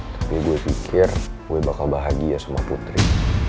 tapi gue pikir gue bakal bahagia semua putri